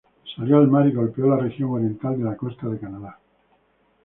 Salió al mar y golpeó la región oriental de la costa de Canadá.